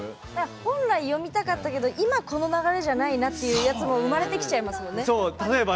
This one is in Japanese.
本来読みたかったけど今この流れじゃないなっていうのも生まれてきちゃいますもんね。